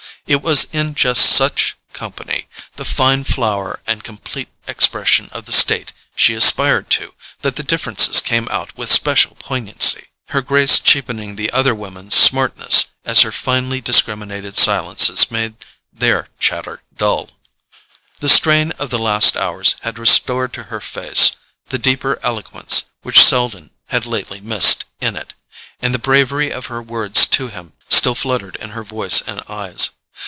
It was in just such company, the fine flower and complete expression of the state she aspired to, that the differences came out with special poignancy, her grace cheapening the other women's smartness as her finely discriminated silences made their chatter dull. The strain of the last hours had restored to her face the deeper eloquence which Selden had lately missed in it, and the bravery of her words to him still fluttered in her voice and eyes.